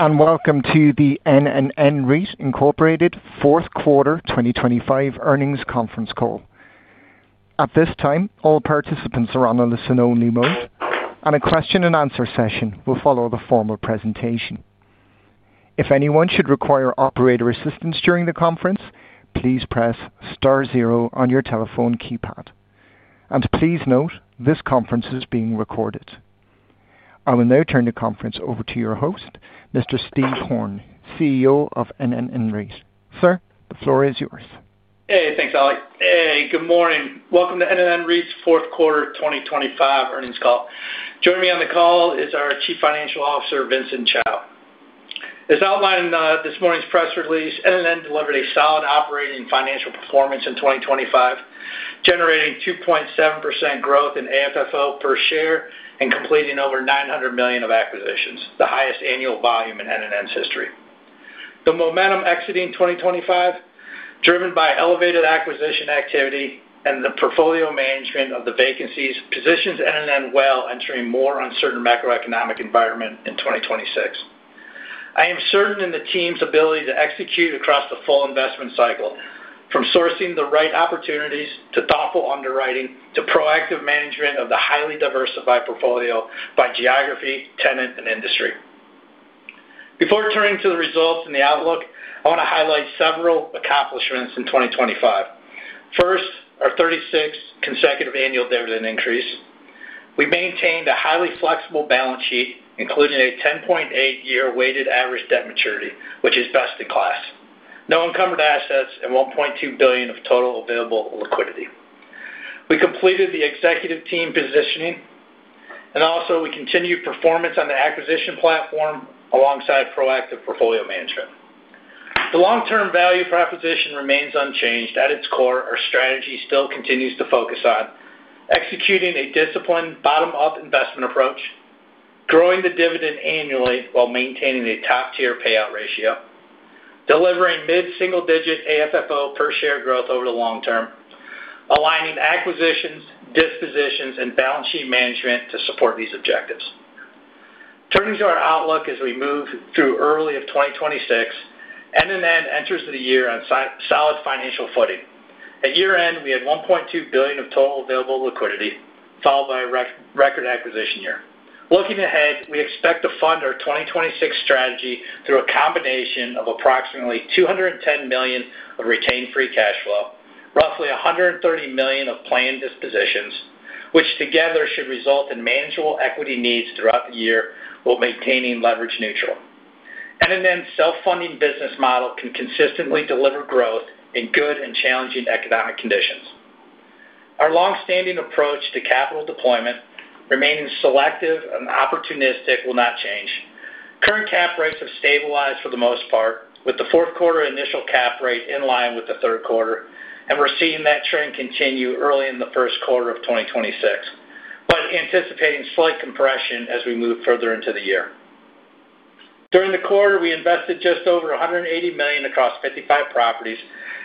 Welcome to the NNN REIT, Inc. fourth quarter 2025 earnings conference call. At this time, all participants are on a listen-only mode, and a question-and-answer session will follow the formal presentation. If anyone should require operator assistance during the conference, please press star zero on your telephone keypad. Please note, this conference is being recorded. I will now turn the conference over to your host, Mr. Steve Horn, CEO of NNN REIT, Inc. Sir, the floor is yours. Hey, thanks, Alex. Hey, good morning. Welcome to NNN REIT's fourth quarter 2025 earnings call. Joining me on the call is our Chief Financial Officer, Vincent Chao. As outlined in this morning's press release, NNN delivered a solid operating and financial performance in 2025, generating 2.7% growth in AFFO per share and completing over $900 million of acquisitions, the highest annual volume in NNN's history. The momentum exiting 2025, driven by elevated acquisition activity and the portfolio management of the vacancies, positions NNN well entering a more uncertain macroeconomic environment in 2026. I am certain in the team's ability to execute across the full investment cycle, from sourcing the right opportunities to thoughtful underwriting to proactive management of the highly diversified portfolio by geography, tenant, and industry. Before turning to the results and the outlook, I want to highlight several accomplishments in 2025. First, our 36th consecutive annual dividend increase. We maintained a highly flexible balance sheet, including a 10.8-year weighted average debt maturity, which is best in class. No encumbered assets and $1.2 billion of total available liquidity. We completed the executive team positioning, and also we continued performance on the acquisition platform alongside proactive portfolio management. The long-term value proposition remains unchanged. At its core, our strategy still continues to focus on executing a disciplined bottom-up investment approach, growing the dividend annually while maintaining a top-tier payout ratio, delivering mid-single-digit AFFO per share growth over the long term, aligning acquisitions, dispositions, and balance sheet management to support these objectives. Turning to our outlook, as we move through early 2026, NNN enters the year on solid financial footing. At year-end, we had $1.2 billion of total available liquidity, followed by a record acquisition year. Looking ahead, we expect to fund our 2026 strategy through a combination of approximately $210 million of retained free cash flow, roughly $130 million of planned dispositions, which together should result in manageable equity needs throughout the year while maintaining leverage neutral. NNN's self-funding business model can consistently deliver growth in good and challenging economic conditions. Our longstanding approach to capital deployment, remaining selective and opportunistic, will not change. Current cap rates have stabilized for the most part, with the fourth quarter initial cap rate in line with the third quarter, and we're seeing that trend continue early in the first quarter of 2026, but anticipating slight compression as we move further into the year. During the quarter, we invested just over $180 million across 55 properties,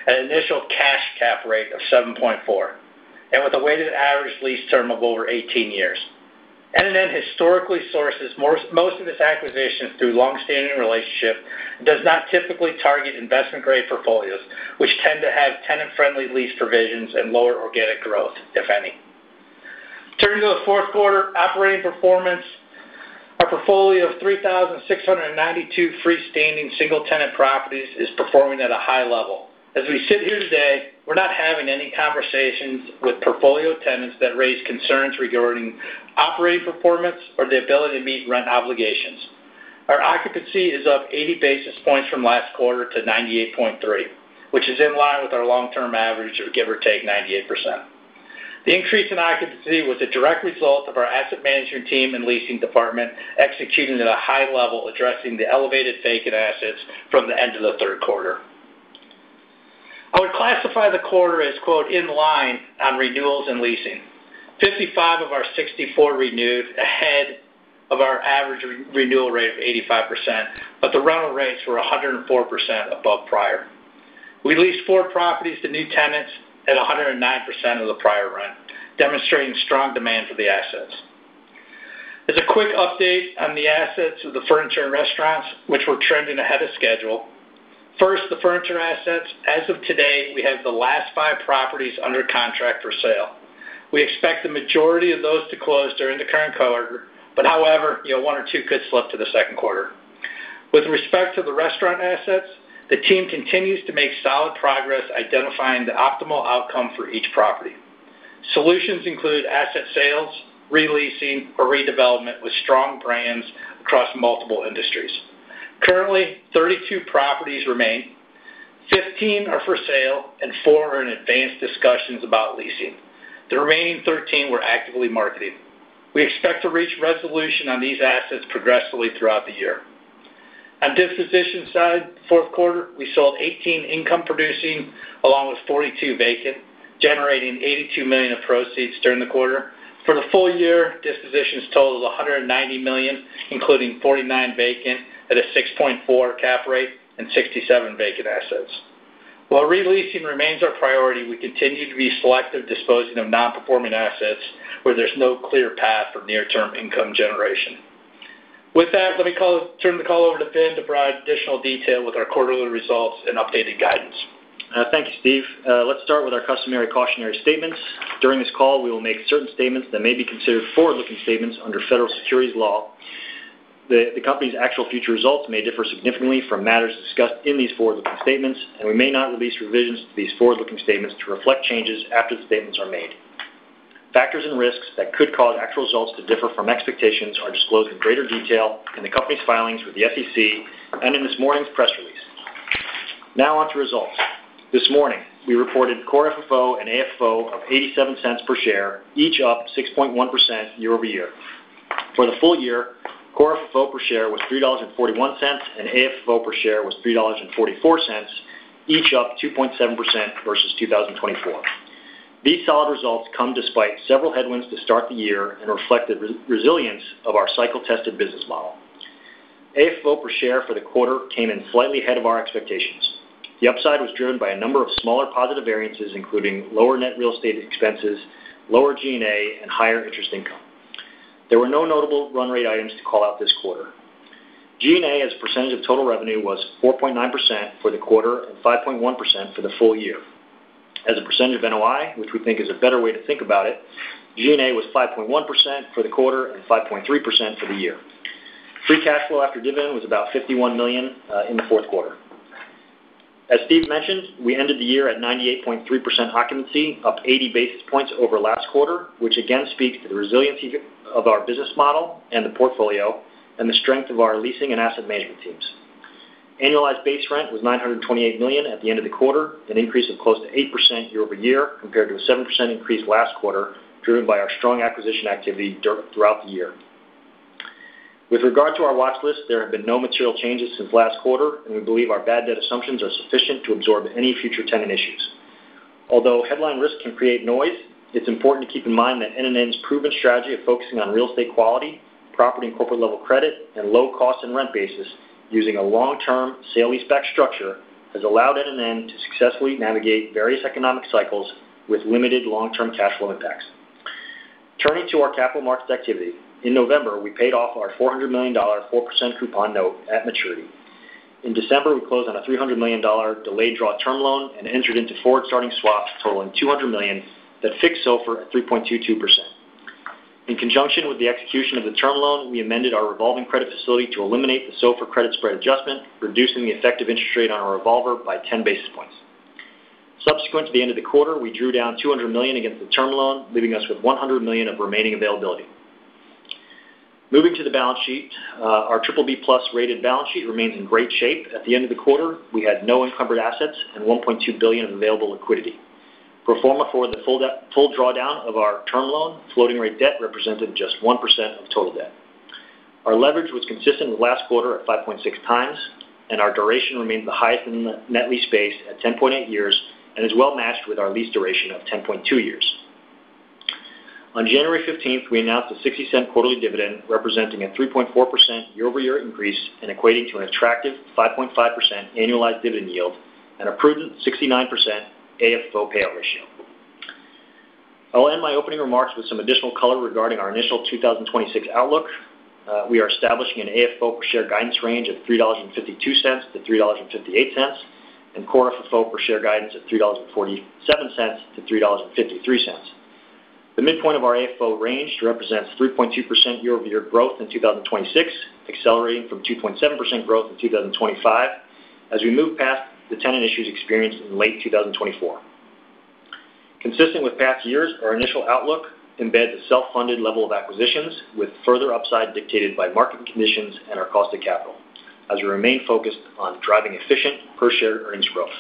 at an initial cash cap rate of 7.4 and with a weighted average lease term of over 18 years. NNN historically sources most of its acquisitions through longstanding relationships and does not typically target investment-grade portfolios, which tend to have tenant-friendly lease provisions and lower organic growth, if any. Turning to the fourth quarter operating performance, our portfolio of 3,692 freestanding single-tenant properties is performing at a high level. As we sit here today, we're not having any conversations with portfolio tenants that raise concerns regarding operating performance or the ability to meet rent obligations. Our occupancy is up 80 basis points from last quarter to 98.3%, which is in line with our long-term average, or give or take 98%. The increase in occupancy was a direct result of our asset management team and leasing department executing at a high level, addressing the elevated vacant assets from the end of the third quarter. I would classify the quarter as "in line" on renewals and leasing. 55 of our 64 renewed ahead of our average renewal rate of 85%, but the rental rates were 104% above prior. We leased 4 properties to new tenants at 109% of the prior rent, demonstrating strong demand for the assets. As a quick update on the assets of the furniture and restaurants, which were trending ahead of schedule, first, the furniture assets. As of today, we have the last 5 properties under contract for sale. We expect the majority of those to close during the current quarter, but however, 1 or 2 could slip to the second quarter. With respect to the restaurant assets, the team continues to make solid progress identifying the optimal outcome for each property. Solutions include asset sales, re-leasing, or redevelopment with strong brands across multiple industries. Currently, 32 properties remain. 15 are for sale, and 4 are in advanced discussions about leasing. The remaining 13 we're actively marketing. We expect to reach resolution on these assets progressively throughout the year. On disposition side, fourth quarter, we sold 18 income-producing along with 42 vacant, generating $82 million of proceeds during the quarter. For the full year, dispositions total is $190 million, including 49 vacant at a 6.4 cap rate and 67 vacant assets. While releasing remains our priority, we continue to be selective disposing of non-performing assets where there's no clear path for near-term income generation. With that, let me turn the call over to Vin to provide additional detail with our quarterly results and updated guidance. Thank you, Steve. Let's start with our customary cautionary statements. During this call, we will make certain statements that may be considered forward-looking statements under federal securities law. The company's actual future results may differ significantly from matters discussed in these forward-looking statements, and we may not release revisions to these forward-looking statements to reflect changes after the statements are made. Factors and risks that could cause actual results to differ from expectations are disclosed in greater detail in the company's filings with the SEC and in this morning's press release. Now onto results. This morning, we reported core FFO and AFFO of $0.87 per share, each up 6.1% year-over-year. For the full year, core FFO per share was $3.41, and AFFO per share was $3.44, each up 2.7% versus 2024. These solid results come despite several headwinds to start the year and reflect the resilience of our cycle-tested business model. AFFO per share for the quarter came in slightly ahead of our expectations. The upside was driven by a number of smaller positive variances, including lower net real estate expenses, lower G&A, and higher interest income. There were no notable run-rate items to call out this quarter. G&A, as a percentage of total revenue, was 4.9% for the quarter and 5.1% for the full year. As a percentage of NOI, which we think is a better way to think about it, G&A was 5.1% for the quarter and 5.3% for the year. Free cash flow after dividend was about $51 million in the fourth quarter. As Steve mentioned, we ended the year at 98.3% occupancy, up 80 basis points over last quarter, which again speaks to the resiliency of our business model and the portfolio and the strength of our leasing and asset management teams. Annualized base rent was $928 million at the end of the quarter, an increase of close to 8% year-over-year compared to a 7% increase last quarter driven by our strong acquisition activity throughout the year. With regard to our watchlist, there have been no material changes since last quarter, and we believe our bad debt assumptions are sufficient to absorb any future tenant issues. Although headline risk can create noise, it's important to keep in mind that NNN's proven strategy of focusing on real estate quality, property and corporate-level credit, and low cost and rent basis using a long-term sale-leaseback structure has allowed NNN to successfully navigate various economic cycles with limited long-term cash flow impacts. Turning to our capital markets activity, in November, we paid off our $400 million 4% coupon note at maturity. In December, we closed on a $300 million delayed draw term loan and entered into forward-starting swaps totaling $200 million that fixed SOFR at 3.22%. In conjunction with the execution of the term loan, we amended our revolving credit facility to eliminate the SOFR credit spread adjustment, reducing the effective interest rate on our revolver by 10 basis points. Subsequent to the end of the quarter, we drew down $200 million against the term loan, leaving us with $100 million of remaining availability. Moving to the balance sheet, our BBB Plus rated balance sheet remains in great shape. At the end of the quarter, we had no encumbered assets and $1.2 billion of available liquidity. Performing for the full drawdown of our term loan, floating-rate debt represented just 1% of total debt. Our leverage was consistent with last quarter at 5.6x, and our duration remained the highest in the net lease base at 10.8 years and is well matched with our lease duration of 10.2 years. On January 15th, we announced a $0.60 quarterly dividend representing a 3.4% year-over-year increase and equating to an attractive 5.5% annualized dividend yield and a prudent 69% AFFO payout ratio. I'll end my opening remarks with some additional color regarding our initial 2026 outlook. We are establishing an AFFO per share guidance range of $3.52-$3.58 and core FFO per share guidance at $3.47-$3.53. The midpoint of our AFFO range represents 3.2% year-over-year growth in 2026, accelerating from 2.7% growth in 2025 as we move past the tenant issues experienced in late 2024. Consistent with past years, our initial outlook embeds a self-funded level of acquisitions with further upside dictated by market conditions and our cost of capital, as we remain focused on driving efficient per-share earnings growth.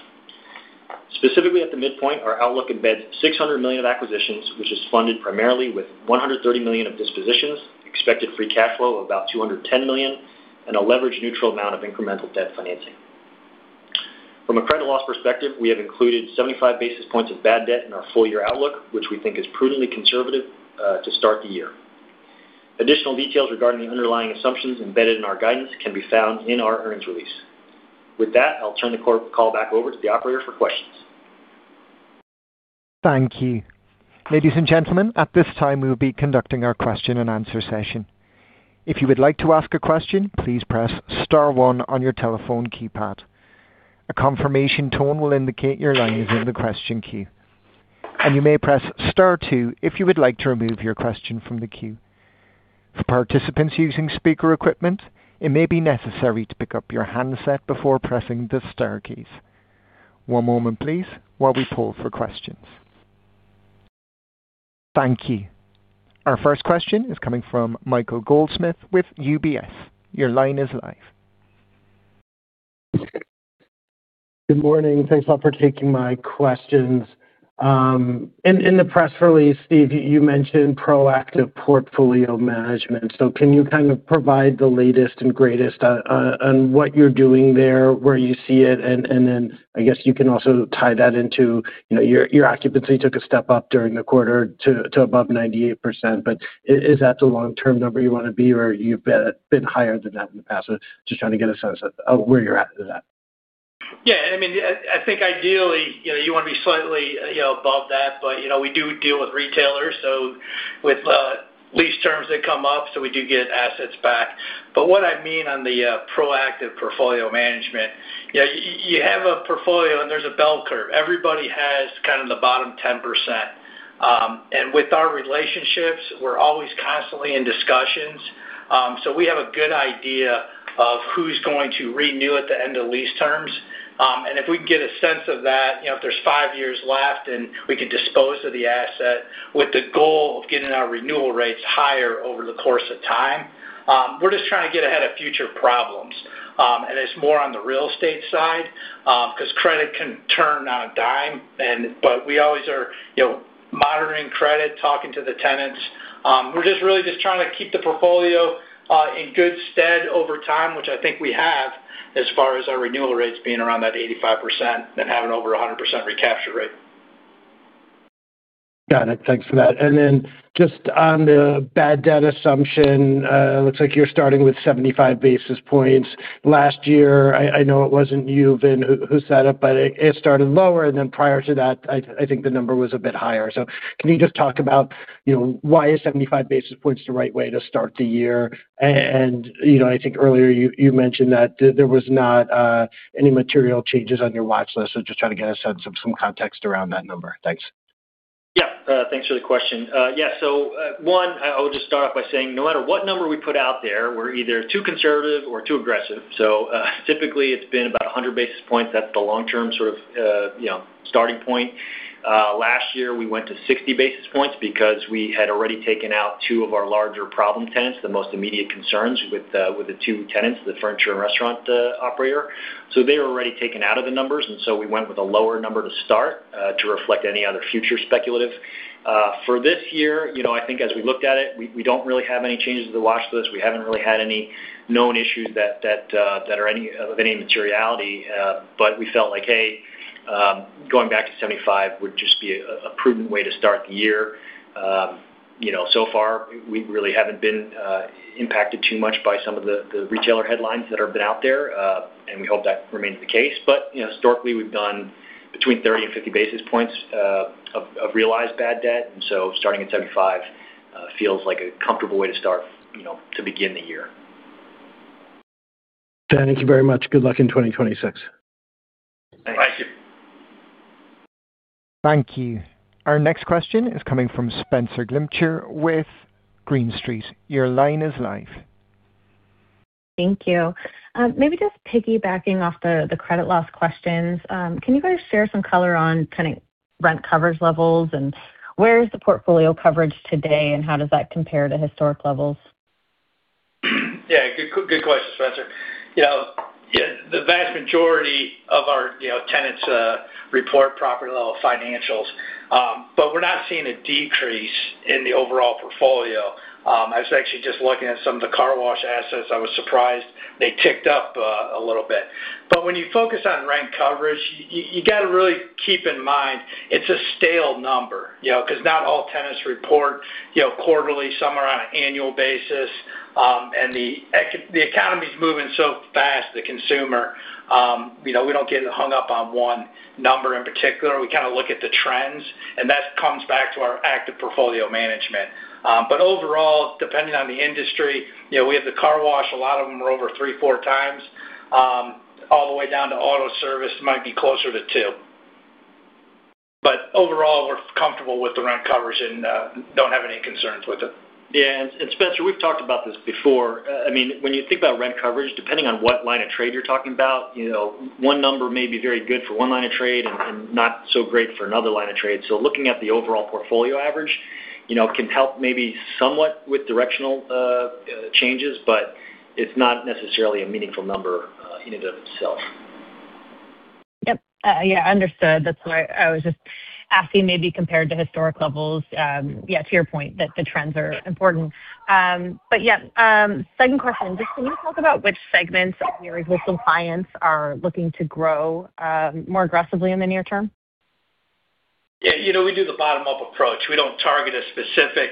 Specifically at the midpoint, our outlook embeds $600 million of acquisitions, which is funded primarily with $130 million of dispositions, expected free cash flow of about $210 million, and a leverage-neutral amount of incremental debt financing. From a credit loss perspective, we have included 75 basis points of bad debt in our full-year outlook, which we think is prudently conservative to start the year. Additional details regarding the underlying assumptions embedded in our guidance can be found in our earnings release. With that, I'll turn the call back over to the operator for questions. Thank you. Ladies and gentlemen, at this time, we will be conducting our question-and-answer session. If you would like to ask a question, please press star one on your telephone keypad. A confirmation tone will indicate your line is in the question queue, and you may press star two if you would like to remove your question from the queue. For participants using speaker equipment, it may be necessary to pick up your handset before pressing the star keys. One moment, please, while we pull for questions. Thank you. Our first question is coming from Michael Goldsmith with UBS. Your line is live. Good morning. Thanks a lot for taking my questions. In the press release, Steve, you mentioned proactive portfolio management. So can you kind of provide the latest and greatest on what you're doing there, where you see it? And then I guess you can also tie that into your occupancy took a step up during the quarter to above 98%. But is that the long-term number you want to be, or you've been higher than that in the past? Just trying to get a sense of where you're at with that. Yeah. I mean, I think ideally, you want to be slightly above that. But we do deal with retailers, so with lease terms that come up, so we do get assets back. But what I mean on the proactive portfolio management, you have a portfolio, and there's a bell curve. Everybody has kind of the bottom 10%. And with our relationships, we're always constantly in discussions. So we have a good idea of who's going to renew at the end of lease terms. And if we can get a sense of that, if there's five years left and we could dispose of the asset with the goal of getting our renewal rates higher over the course of time, we're just trying to get ahead of future problems. It's more on the real estate side because credit can turn on a dime, but we always are monitoring credit, talking to the tenants. We're just really just trying to keep the portfolio in good stead over time, which I think we have as far as our renewal rates being around that 85% and having over 100% recapture rate. Got it. Thanks for that. And then just on the bad debt assumption, it looks like you're starting with 75 basis points. Last year, I know it wasn't you, Vin, who set up, but it started lower. And then prior to that, I think the number was a bit higher. So can you just talk about why is 75 basis points the right way to start the year? And I think earlier you mentioned that there was not any material changes on your watchlist. So just trying to get a sense of some context around that number. Thanks. Yeah. Thanks for the question. Yeah. So, one, I'll just start off by saying, no matter what number we put out there, we're either too conservative or too aggressive. So typically, it's been about 100 basis points. That's the long-term sort of starting point. Last year, we went to 60 basis points because we had already taken out two of our larger problem tenants, the most immediate concerns with the two tenants, the furniture and restaurant operator. So they were already taken out of the numbers. And so we went with a lower number to start to reflect any other future speculative. For this year, I think as we looked at it, we don't really have any changes to the watchlist. We haven't really had any known issues that are of any materiality, but we felt like, "Hey, going back to 75 would just be a prudent way to start the year." So far, we really haven't been impacted too much by some of the retailer headlines that have been out there, and we hope that remains the case. But historically, we've done between 30 and 50 basis points of realized bad debt. And so starting at 75 feels like a comfortable way to start to begin the year. Thank you very much. Good luck in 2026. Thanks. Thank you. Thank you. Our next question is coming from Spencer Glimcher with Green Street. Your line is live. Thank you. Maybe just piggybacking off the credit loss questions, can you guys share some color on tenant rent coverage levels? And where is the portfolio coverage today, and how does that compare to historic levels? Yeah. Good question, Spencer. The vast majority of our tenants report property-level financials, but we're not seeing a decrease in the overall portfolio. I was actually just looking at some of the car wash assets. I was surprised they ticked up a little bit. But when you focus on rent coverage, you got to really keep in mind it's a stale number because not all tenants report quarterly, some are on an annual basis. And the economy's moving so fast, the consumer, we don't get hung up on one number in particular. We kind of look at the trends, and that comes back to our active portfolio management. But overall, depending on the industry, we have the car wash. A lot of them are over 3-4 times, all the way down to auto service. It might be closer to 2. Overall, we're comfortable with the rent coverage and don't have any concerns with it. Yeah. Spencer, we've talked about this before. I mean, when you think about rent coverage, depending on what line of trade you're talking about, one number may be very good for one line of trade and not so great for another line of trade. Looking at the overall portfolio average can help maybe somewhat with directional changes, but it's not necessarily a meaningful number in and of itself. Yep. Yeah. Understood. That's why I was just asking, maybe compared to historic levels, yeah, to your point, that the trends are important. But yeah. Second question, just can you talk about which segments of your existing clients are looking to grow more aggressively in the near term? Yeah. We do the bottom-up approach. We don't target a specific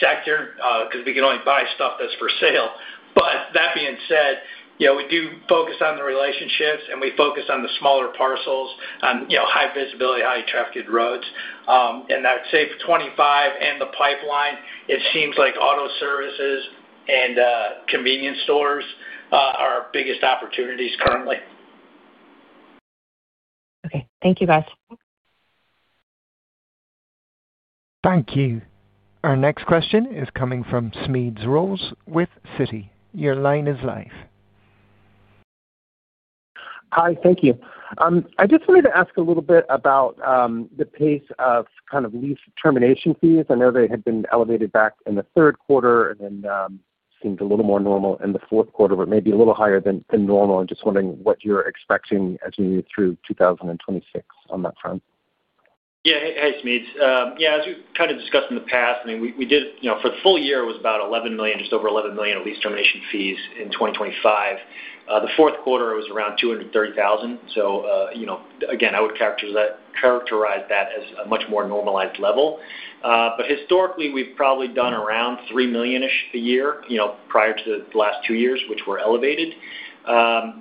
sector because we can only buy stuff that's for sale. But that being said, we do focus on the relationships, and we focus on the smaller parcels, on high visibility, high-trafficked roads. And I'd say for 2025 and the pipeline, it seems like auto services and convenience stores are our biggest opportunities currently. Okay. Thank you, guys. Thank you. Our next question is coming from Smedes Rose with Citi. Your line is live. Hi. Thank you. I just wanted to ask a little bit about the pace of kind of lease termination fees. I know they had been elevated back in the third quarter and then seemed a little more normal in the fourth quarter, but maybe a little higher than normal. I'm just wondering what you're expecting as you move through 2026 on that front. Yeah. Hey, Smedes. Yeah. As we've kind of discussed in the past, I mean, we did for the full year, it was about $11 million, just over $11 million of lease termination fees in 2025. The fourth quarter, it was around $230,000. So again, I would characterize that as a much more normalized level. But historically, we've probably done around $3 million-ish a year prior to the last two years, which were elevated. So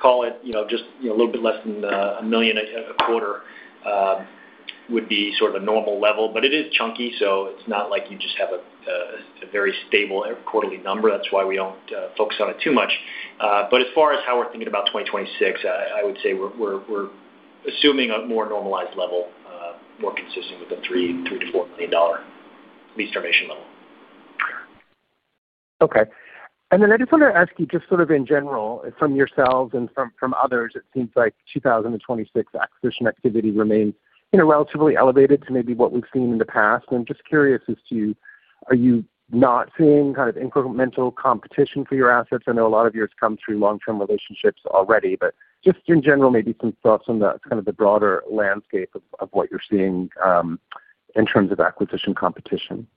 call it just a little bit less than $1 million a quarter would be sort of a normal level. But it is chunky, so it's not like you just have a very stable quarterly number. That's why we don't focus on it too much. But as far as how we're thinking about 2026, I would say we're assuming a more normalized level, more consistent with the $3 million-$4 million lease termination level. Okay. And then I just want to ask you just sort of in general, from yourselves and from others, it seems like 2026 acquisition activity remains relatively elevated to maybe what we've seen in the past. And I'm just curious as to are you not seeing kind of incremental competition for your assets? I know a lot of yours come through long-term relationships already, but just in general, maybe some thoughts on kind of the broader landscape of what you're seeing in terms of acquisition competition.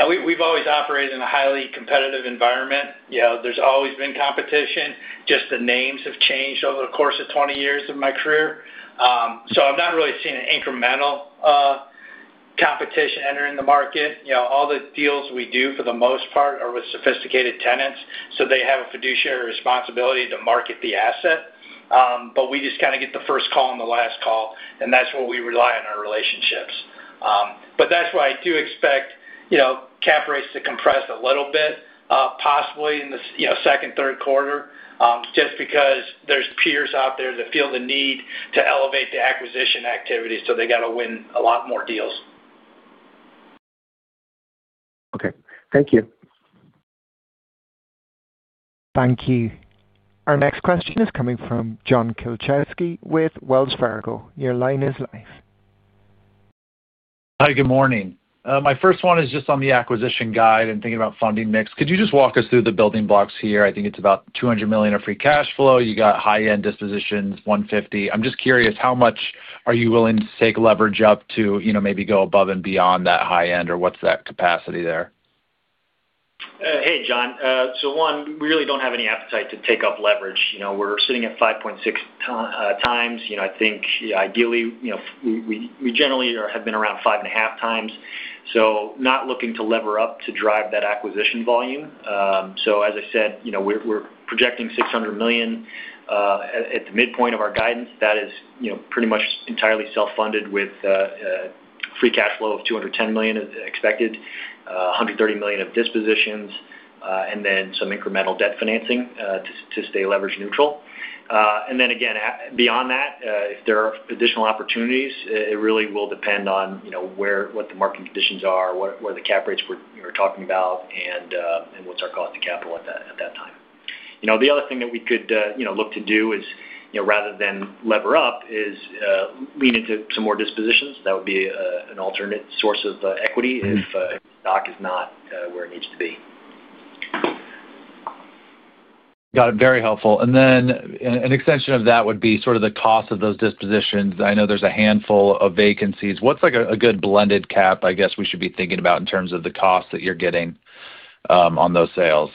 Yeah. We've always operated in a highly competitive environment. There's always been competition. Just the names have changed over the course of 20 years of my career. So I've not really seen incremental competition entering the market. All the deals we do, for the most part, are with sophisticated tenants, so they have a fiduciary responsibility to market the asset. But we just kind of get the first call and the last call, and that's what we rely on our relationships. But that's why I do expect cap rates to compress a little bit, possibly in the second, third quarter, just because there's peers out there that feel the need to elevate the acquisition activity, so they got to win a lot more deals. Okay. Thank you. Thank you. Our next question is coming from John Kilichowski with Wells Fargo. Your line is live. Hi. Good morning. My first one is just on the acquisition guidance and thinking about funding mix. Could you just walk us through the building blocks here? I think it's about $200 million of free cash flow. You got high-end dispositions, $150 million. I'm just curious, how much are you willing to take leverage up to maybe go above and beyond that high end, or what's that capacity there? Hey, John. So one, we really don't have any appetite to take up leverage. We're sitting at 5.6 times. I think ideally, we generally have been around 5.5 times, so not looking to lever up to drive that acquisition volume. So as I said, we're projecting $600 million at the midpoint of our guidance. That is pretty much entirely self-funded with free cash flow of $210 million expected, $130 million of dispositions, and then some incremental debt financing to stay leverage neutral. And then again, beyond that, if there are additional opportunities, it really will depend on what the market conditions are, what the cap rates we're talking about, and what's our cost of capital at that time. The other thing that we could look to do is, rather than lever up, is lean into some more dispositions. That would be an alternate source of equity if the stock is not where it needs to be. Got it. Very helpful. And then an extension of that would be sort of the cost of those dispositions. I know there's a handful of vacancies. What's a good blended cap, I guess, we should be thinking about in terms of the cost that you're getting on those sales?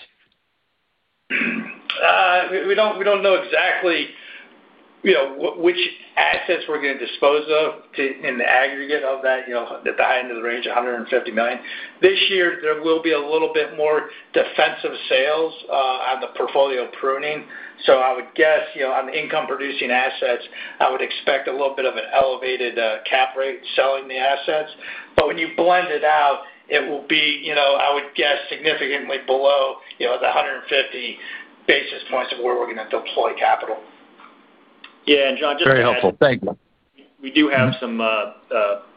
We don't know exactly which assets we're going to dispose of in the aggregate of that, at the high end of the range, $150 million. This year, there will be a little bit more defensive sales on the portfolio pruning. So I would guess on the income-producing assets, I would expect a little bit of an elevated cap rate selling the assets. But when you blend it out, it will be, I would guess, significantly below the 150 basis points of where we're going to deploy capital. Yeah. And John, just. Very helpful. Thank you. We do have some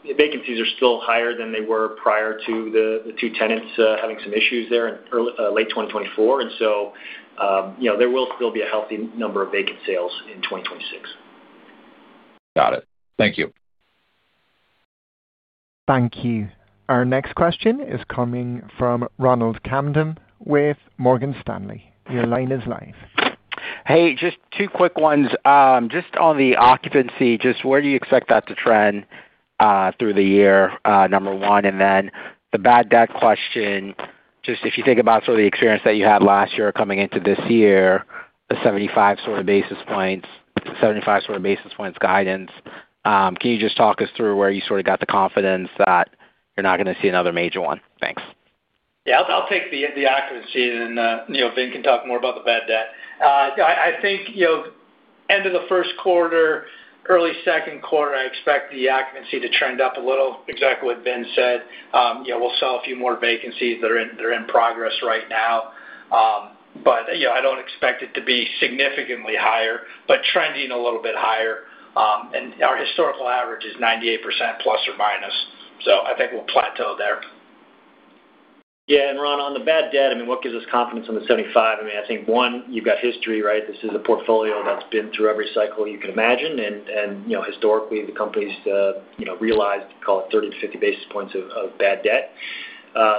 vacancies that are still higher than they were prior to the two tenants having some issues there in late 2024. So there will still be a healthy number of vacant sales in 2026. Got it. Thank you. Thank you. Our next question is coming from Ronald Camden with Morgan Stanley. Your line is live. Hey. Just two quick ones. Just on the occupancy, just where do you expect that to trend through the year, number one? And then the bad debt question, just if you think about sort of the experience that you had last year coming into this year, the 75 or so basis points, 75 or so basis points guidance, can you just talk us through where you sort of got the confidence that you're not going to see another major one? Thanks. Yeah. I'll take the occupancy, and then Vin can talk more about the bad debt. I think end of the first quarter, early second quarter, I expect the occupancy to trend up a little, exactly what Vin said. We'll sell a few more vacancies that are in progress right now, but I don't expect it to be significantly higher, but trending a little bit higher. And our historical average is 98% ±. So I think we'll plateau there. Yeah. And Ron, on the bad debt, I mean, what gives us confidence on the 75? I mean, I think, one, you've got history, right? This is a portfolio that's been through every cycle you can imagine. And historically, the company realized, call it, 30-50 basis points of bad debt.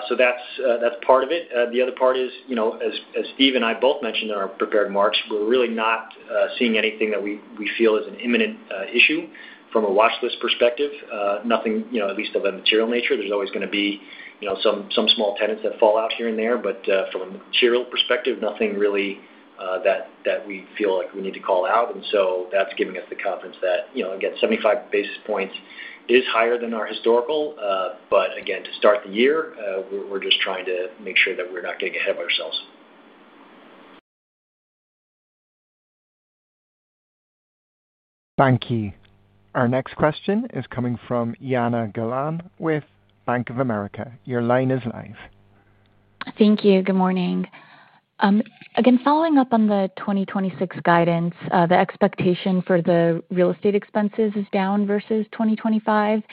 So that's part of it. The other part is, as Steve and I both mentioned in our prepared remarks, we're really not seeing anything that we feel is an imminent issue from a watchlist perspective, at least of a material nature. There's always going to be some small tenants that fall out here and there. But from a material perspective, nothing really that we feel like we need to call out. And so that's giving us the confidence that, again, 75 basis points is higher than our historical. But again, to start the year, we're just trying to make sure that we're not getting ahead of ourselves. Thank you. Our next question is coming from Jana Galan with Bank of America. Your line is live. Thank you. Good morning. Again, following up on the 2026 guidance, the expectation for the real estate expenses is down versus 2025.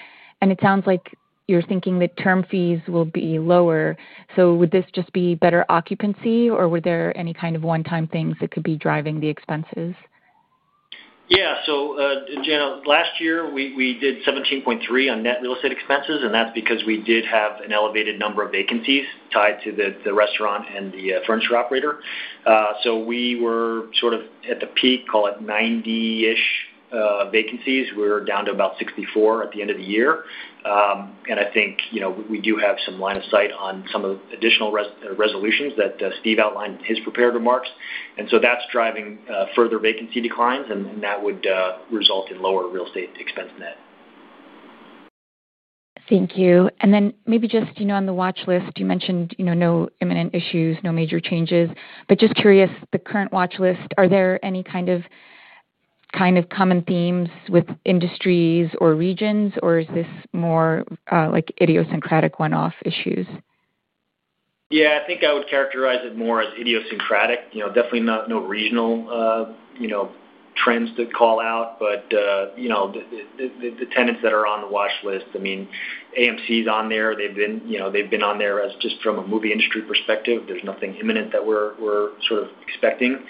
It sounds like you're thinking that term fees will be lower. Would this just be better occupancy, or were there any kind of one-time things that could be driving the expenses? Yeah. So generally, last year, we did 17.3 on net real estate expenses, and that's because we did have an elevated number of vacancies tied to the restaurant and the furniture operator. So we were sort of at the peak, call it, 90-ish vacancies. We were down to about 64 at the end of the year. And I think we do have some line of sight on some of the additional resolutions that Steve outlined in his prepared remarks. And so that's driving further vacancy declines, and that would result in lower real estate expense net. Thank you. And then maybe just on the watchlist, you mentioned no imminent issues, no major changes. But just curious, the current watchlist, are there any kind of common themes with industries or regions, or is this more idiosyncratic one-off issues? Yeah. I think I would characterize it more as idiosyncratic, definitely no regional trends to call out. But the tenants that are on the watchlist, I mean, AMC is on there. They've been on there just from a movie industry perspective. There's nothing imminent that we're sort of expecting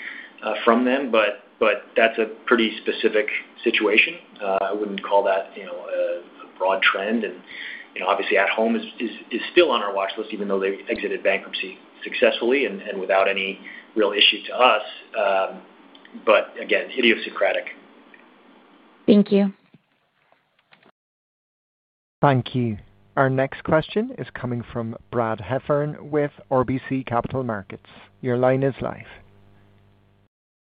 from them. But that's a pretty specific situation. I wouldn't call that a broad trend. And obviously, At Home is still on our watchlist, even though they exited bankruptcy successfully and without any real issue to us. But again, idiosyncratic. Thank you. Thank you. Our next question is coming from Brad Heffern with RBC Capital Markets. Your line is live.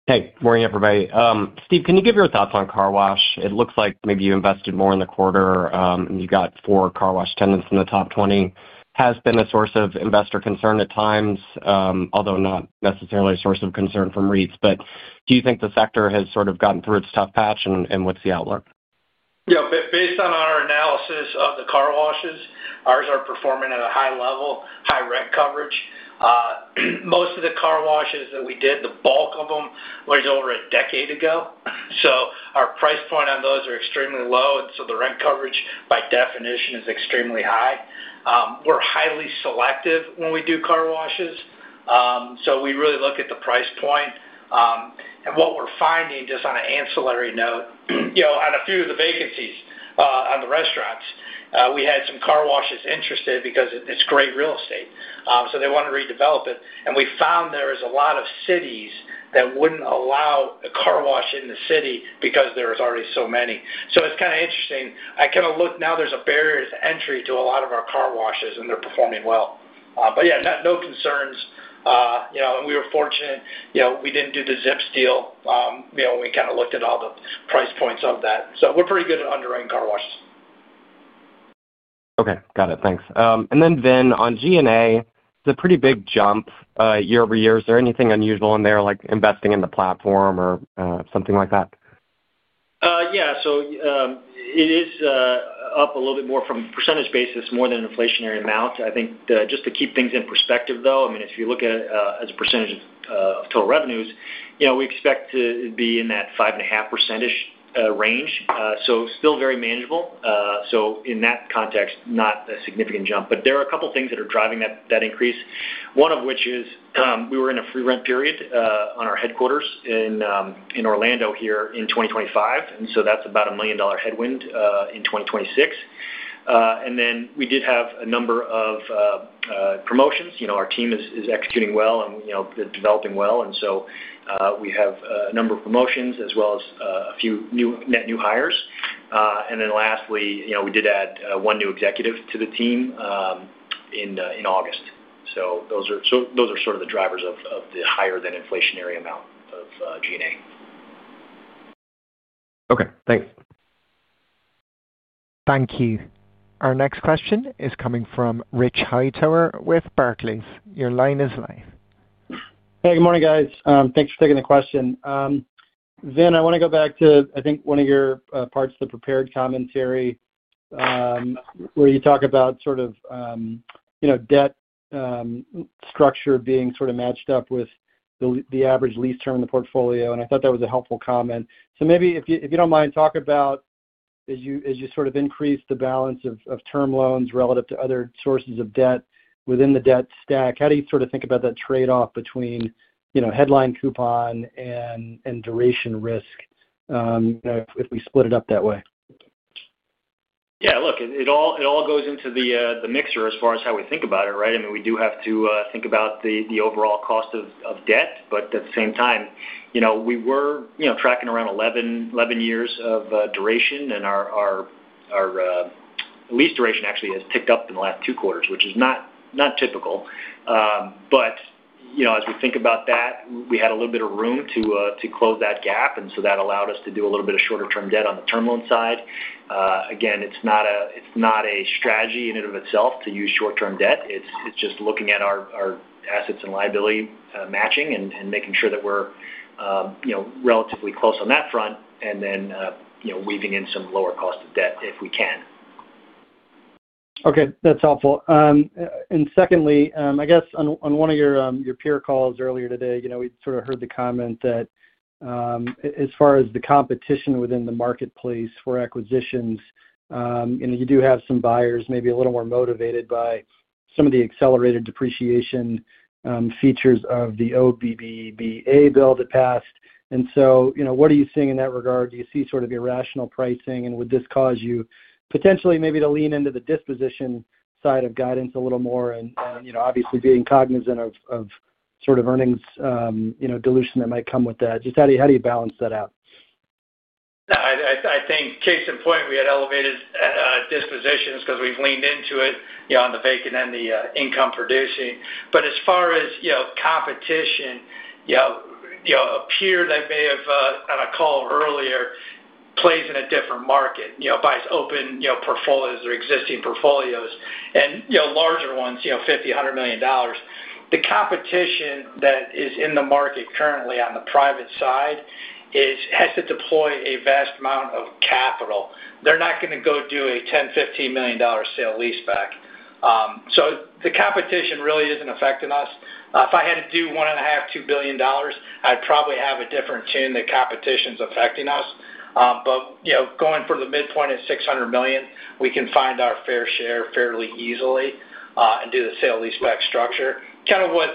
Hey. Morning, everybody. Steve, can you give your thoughts on car wash? It looks like maybe you invested more in the quarter, and you got four car wash tenants in the top 20. Has been a source of investor concern at times, although not necessarily a source of concern from REITs. But do you think the sector has sort of gotten through its tough patch, and what's the outlook? Yeah. Based on our analysis of the car washes, ours are performing at a high level, high rent coverage. Most of the car washes that we did, the bulk of them was over a decade ago. So our price point on those are extremely low, and so the rent coverage, by definition, is extremely high. We're highly selective when we do car washes, so we really look at the price point. And what we're finding, just on an ancillary note, on a few of the vacancies on the restaurants, we had some car washes interested because it's great real estate, so they want to redevelop it. And we found there was a lot of cities that wouldn't allow a car wash in the city because there was already so many. So it's kind of interesting. I kind of look now. There's a barrier to entry to a lot of our car washes, and they're performing well. Yeah, no concerns. We were fortunate. We didn't do the Zips deal. We kind of looked at all the price points of that. We're pretty good at underwriting car washes. Okay. Got it. Thanks. And then Vin, on G&A, it's a pretty big jump year-over-year. Is there anything unusual in there, like investing in the platform or something like that? Yeah. So it is up a little bit more from a percentage basis, more than an inflationary amount. I think just to keep things in perspective, though, I mean, if you look at it as a percentage of total revenues, we expect to be in that 5.5%-ish range, so still very manageable. So in that context, not a significant jump. But there are a couple of things that are driving that increase, one of which is we were in a free rent period on our headquarters in Orlando here in 2025, and so that's about a $1 million-dollar headwind in 2026. And then we did have a number of promotions. Our team is executing well and developing well, and so we have a number of promotions as well as a few net new hires. Then lastly, we did add one new executive to the team in August. So those are sort of the drivers of the higher-than-inflationary amount of G&A. Okay. Thanks. Thank you. Our next question is coming from Rich Hightower with Barclays. Your line is live. Hey. Good morning, guys. Thanks for taking the question. Vin, I want to go back to, I think, one of your parts, the prepared commentary, where you talk about sort of debt structure being sort of matched up with the average lease term in the portfolio. And I thought that was a helpful comment. So maybe if you don't mind, talk about, as you sort of increase the balance of term loans relative to other sources of debt within the debt stack, how do you sort of think about that trade-off between headline coupon and duration risk, if we split it up that way? Yeah. Look, it all goes into the mixer as far as how we think about it, right? I mean, we do have to think about the overall cost of debt. But at the same time, we were tracking around 11 years of duration, and our lease duration, actually, has ticked up in the last two quarters, which is not typical. But as we think about that, we had a little bit of room to close that gap, and so that allowed us to do a little bit of shorter-term debt on the term loan side. Again, it's not a strategy in and of itself to use short-term debt. It's just looking at our assets and liability matching and making sure that we're relatively close on that front and then weaving in some lower cost of debt if we can. Okay. That's helpful. And secondly, I guess on one of your peer calls earlier today, we sort of heard the comment that as far as the competition within the marketplace for acquisitions, you do have some buyers maybe a little more motivated by some of the accelerated depreciation features of the Omnibus bill that passed. And so what are you seeing in that regard? Do you see sort of irrational pricing? And would this cause you potentially maybe to lean into the disposition side of guidance a little more and obviously being cognizant of sort of earnings dilution that might come with that? Just how do you balance that out? Yeah. I think, case in point, we had elevated dispositions because we've leaned into it on the vacant and the income-producing. But as far as competition, a peer that may have, on a call earlier, plays in a different market, buys open portfolios or existing portfolios, and larger ones, $50 million-$100 million. The competition that is in the market currently on the private side has to deploy a vast amount of capital. They're not going to go do a $10 million-$15 million sale-leaseback. So the competition really isn't affecting us. If I had to do $1.5 billion-$2 billion, I'd probably have a different tune that competition's affecting us. But going for the midpoint at $600 million, we can find our fair share fairly easily and do the sale-leaseback structure, kind of what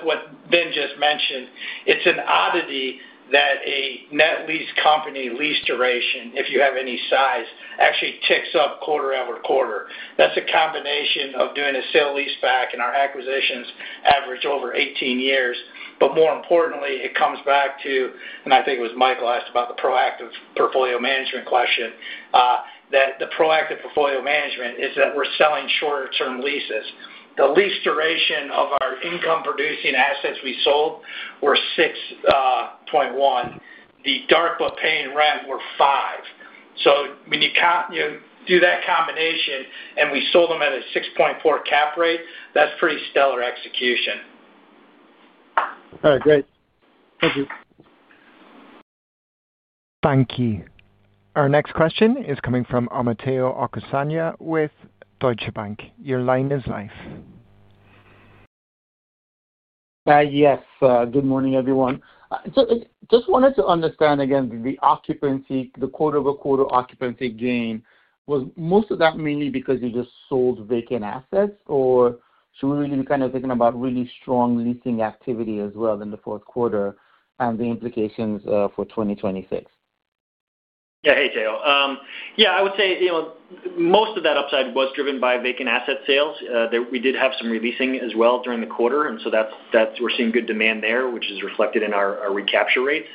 Vin just mentioned. It's an oddity that a net lease company, lease duration, if you have any size, actually ticks up quarter after quarter. That's a combination of doing a sale-leaseback and our acquisitions average over 18 years. But more importantly, it comes back to and I think it was Michael asked about the proactive portfolio management question, that the proactive portfolio management is that we're selling shorter-term leases. The lease duration of our income-producing assets we sold were 6.1. The dark book paying rent were 5. So when you do that combination and we sold them at a 6.4 cap rate, that's pretty stellar execution. All right. Great. Thank you. Thank you. Our next question is coming from Omotayo Okusanya with Deutsche Bank. Your line is live. Yes. Good morning, everyone. I just wanted to understand again the quarter-over-quarter occupancy gain. Was most of that mainly because you just sold vacant assets, or should we really be kind of thinking about really strong leasing activity as well in the fourth quarter and the implications for 2026? Yeah. Hey, Dale. Yeah. I would say most of that upside was driven by vacant asset sales. We did have some releasing as well during the quarter, and so we're seeing good demand there, which is reflected in our recapture rates.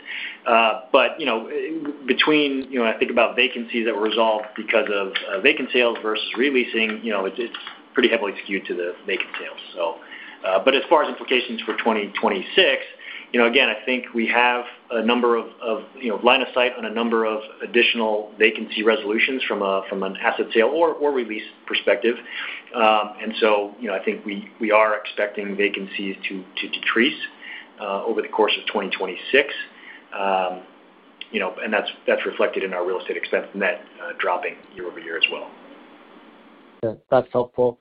But between I think about vacancies that were resolved because of vacant sales versus re-leasing, it's pretty heavily skewed to the vacant sales, so. But as far as implications for 2026, again, I think we have a number of line of sight on a number of additional vacancy resolutions from an asset sale or release perspective. And so I think we are expecting vacancies to decrease over the course of 2026, and that's reflected in our real estate expense net dropping year-over-year as well. Yeah. That's helpful.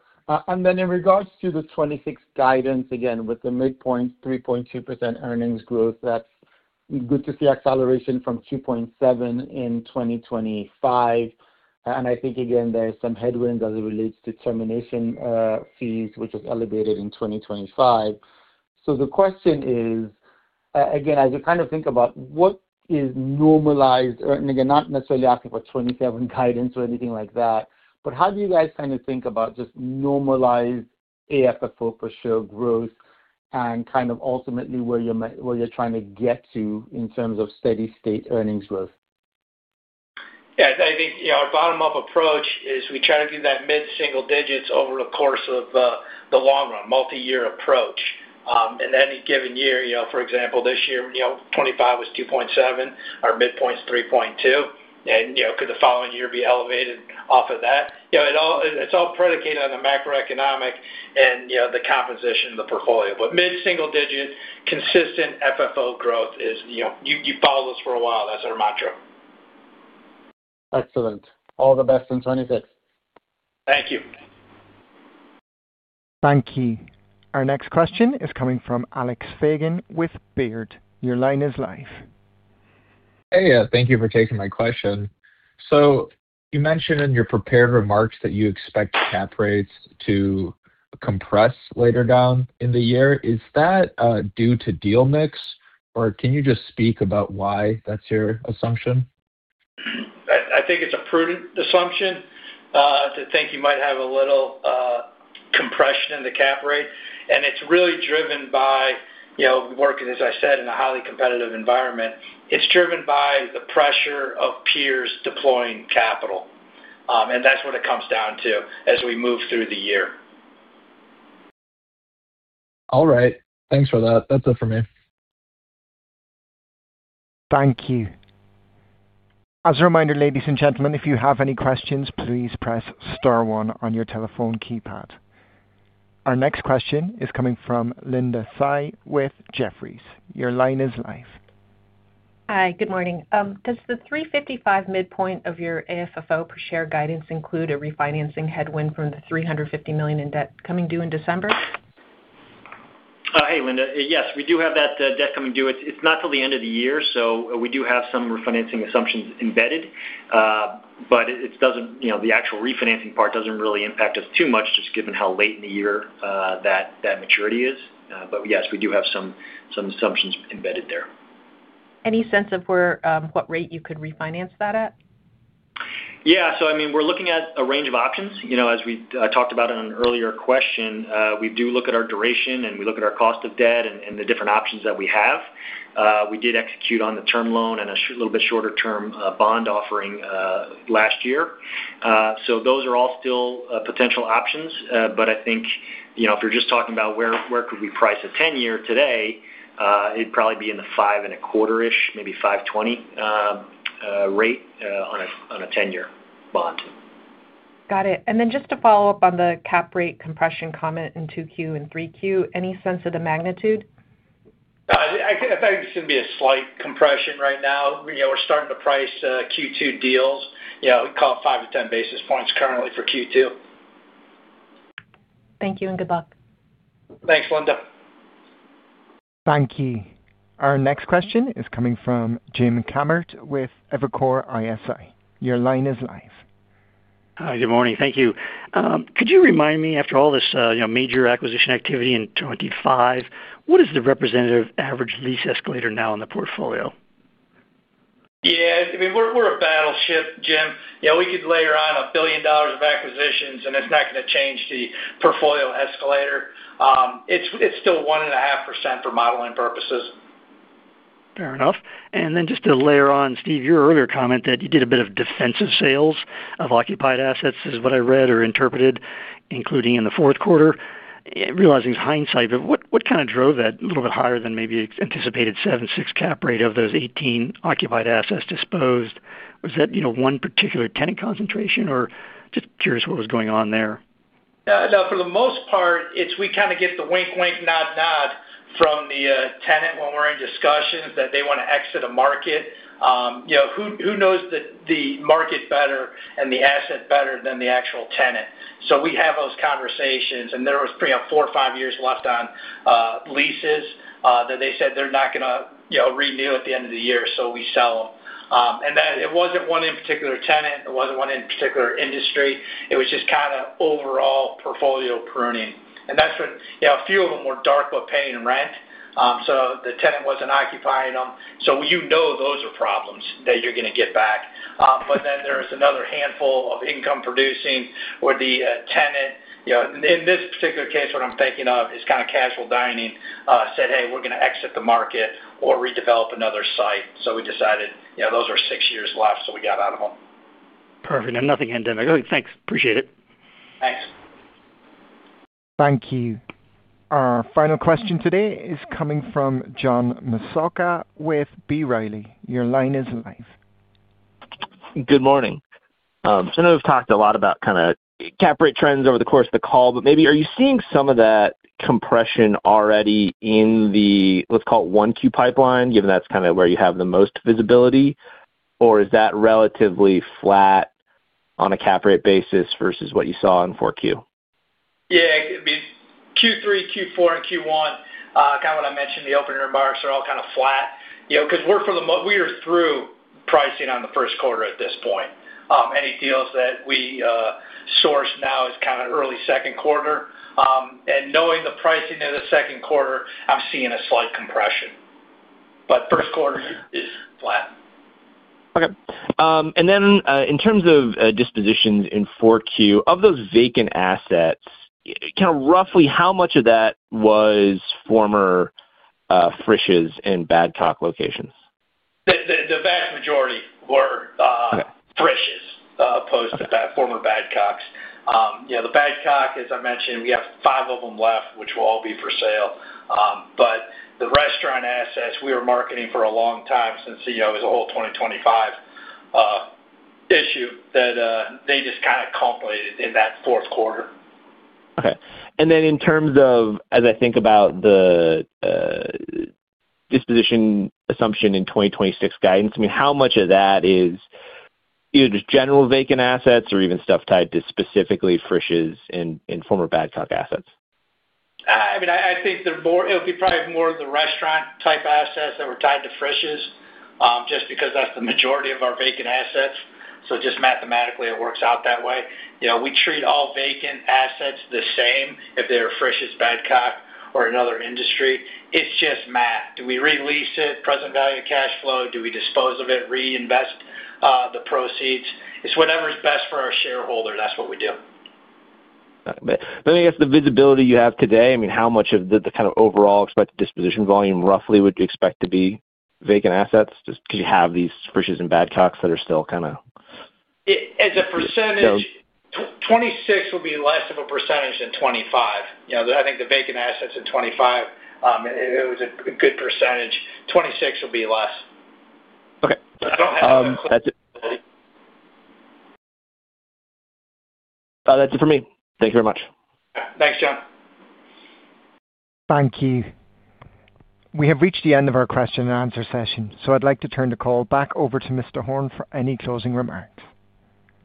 And then in regards to the 2026 guidance, again, with the midpoint, 3.2% earnings growth, that's good to see acceleration from 2.7% in 2025. And I think, again, there's some headwind as it relates to termination fees, which was elevated in 2025. So the question is, again, as you kind of think about what is normalized and again, not necessarily asking for 2027 guidance or anything like that, but how do you guys kind of think about just normalized AFFO per share growth and kind of ultimately where you're trying to get to in terms of steady-state earnings growth? Yeah. I think our bottom-up approach is we try to do that mid-single digits over the course of the long run, multi-year approach. And any given year, for example, this year, 2025 was 2.7. Our midpoint's 3.2. And could the following year be elevated off of that? It's all predicated on the macroeconomic and the composition of the portfolio. But mid-single digit, consistent FFO growth is you follow this for a while. That's our mantra. Excellent. All the best in 2026. Thank you. Thank you. Our next question is coming from Alex Fagan with Baird. Your line is live. Hey. Yeah. Thank you for taking my question. You mentioned in your prepared remarks that you expect cap rates to compress later down in the year. Is that due to deal mix, or can you just speak about why that's your assumption? I think it's a prudent assumption to think you might have a little compression in the Cap Rate. It's really driven by working, as I said, in a highly competitive environment. It's driven by the pressure of peers deploying capital, and that's what it comes down to as we move through the year. All right. Thanks for that. That's it for me. Thank you. As a reminder, ladies and gentlemen, if you have any questions, please press star one on your telephone keypad. Our next question is coming from Linda Tsai with Jefferies. Your line is live. Hi. Good morning. Does the $3.55 midpoint of your AFFO per share guidance include a refinancing headwind from the $350 million in debt coming due in December? Hey, Linda. Yes. We do have that debt coming due. It's not till the end of the year, so we do have some refinancing assumptions embedded. But the actual refinancing part doesn't really impact us too much, just given how late in the year that maturity is. But yes, we do have some assumptions embedded there. Any sense of what rate you could refinance that at? Yeah. So I mean, we're looking at a range of options. As we talked about in an earlier question, we do look at our duration, and we look at our cost of debt and the different options that we have. We did execute on the term loan and a little bit shorter-term bond offering last year. So those are all still potential options. But I think if you're just talking about where could we price a 10-year today, it'd probably be in the 5.25-ish, maybe 5.20 rate on a 10-year bond. Got it. And then just to follow up on the Cap Rate compression comment in 2Q and 3Q, any sense of the magnitude? I think it should be a slight compression right now. We're starting to price Q2 deals. We call it 5-10 basis points currently for Q2. Thank you, and good luck. Thanks, Linda. Thank you. Our next question is coming from Jim Kammert with Evercore ISI. Your line is live. Hi. Good morning. Thank you. Could you remind me, after all this major acquisition activity in 2025, what is the representative average lease escalator now in the portfolio? Yeah. I mean, we're a battleship, Jim. We could layer on $1 billion of acquisitions, and it's not going to change the portfolio escalator. It's still 1.5% for modeling purposes. Fair enough. And then just to layer on, Steve, your earlier comment that you did a bit of defensive sales of occupied assets is what I read or interpreted, including in the fourth quarter. Realizing it's hindsight, but what kind of drove that a little bit higher than maybe anticipated 7.6 cap rate of those 18 occupied assets disposed? Was that one particular tenant concentration, or just curious what was going on there? No. For the most part, we kind of get the wink, wink, nod, nod from the tenant when we're in discussions that they want to exit a market. Who knows the market better and the asset better than the actual tenant? So we have those conversations. And there was 4 or 5 years left on leases that they said they're not going to renew at the end of the year, so we sell them. And it wasn't one particular tenant. It wasn't one particular industry. It was just kind of overall portfolio pruning. And a few of them were dark, but paying rent, so the tenant wasn't occupying them. So you know those are problems that you're going to get back. But then there's another handful of income-producing where the tenant in this particular case, what I'm thinking of is kind of casual dining, said, "Hey, we're going to exit the market or redevelop another site." So we decided those are 6 years left, so we got out of them. Perfect. And nothing endemic. Okay. Thanks. Appreciate it. Thanks. Thank you. Our final question today is coming from John Massocca with B. Riley. Your line is live. Good morning. So I know we've talked a lot about kind of cap rate trends over the course of the call, but maybe are you seeing some of that compression already in the, let's call it, 1Q pipeline, given that's kind of where you have the most visibility, or is that relatively flat on a cap rate basis versus what you saw in 4Q? Yeah. I mean, Q3, Q4, and Q1, kind of what I mentioned, the opening remarks are all kind of flat because we're through pricing on the first quarter at this point. Any deals that we source now is kind of early second quarter. And knowing the pricing of the second quarter, I'm seeing a slight compression. But first quarter is flat. Okay. And then in terms of dispositions in 4Q, of those vacant assets, kind of roughly, how much of that was former Frisch's and Badcock locations? The vast majority were Frisch's as opposed to former Badcock's. The Badcock, as I mentioned, we have 5 of them left, which will all be for sale. But the restaurant assets, we were marketing for a long time since it was a whole 2025 issue that they just kind of culminated in that fourth quarter. Okay. And then in terms of as I think about the disposition assumption in 2026 guidance, I mean, how much of that is either just general vacant assets or even stuff tied to specifically Frisch's and former Badcock assets? I mean, I think it'll be probably more of the restaurant-type assets that were tied to Frisch's just because that's the majority of our vacant assets. So just mathematically, it works out that way. We treat all vacant assets the same if they're Frisch's, Badcock, or another industry. It's just math. Do we re-lease it, present value of cash flow? Do we dispose of it, reinvest the proceeds? It's whatever's best for our shareholder. That's what we do. But then I guess the visibility you have today, I mean, how much of the kind of overall expected disposition volume roughly would you expect to be vacant assets just because you have these Frisch's and Badcocks that are still kind of? As a percentage, 2026 will be less of a percentage than 2025. I think the vacant assets in 2025. It was a good percentage. 2026 will be less. Okay. That's it. That's it for me. Thank you very much. Thanks, John. Thank you. We have reached the end of our question-and-answer session, so I'd like to turn the call back over to Mr. Horn for any closing remarks.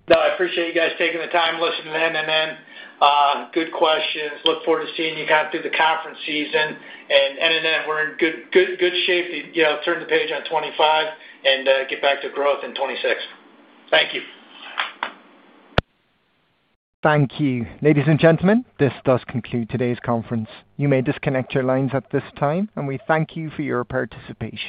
No, I appreciate you guys taking the time, listening to NNN. Good questions. Look forward to seeing you kind of through the conference season. And NNN, we're in good shape to turn the page on 2025 and get back to growth in 2026. Thank you. Thank you. Ladies and gentlemen, this does conclude today's conference. You may disconnect your lines at this time, and we thank you for your participation.